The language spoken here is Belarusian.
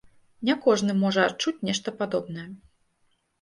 Не кожны можа адчуць нешта падобнае.